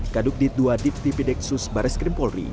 kadugdit dua diptbdxs baris krimpolri